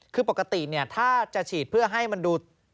คือปกติเนี่ยถ้าจะฉีดเพื่อให้มันดู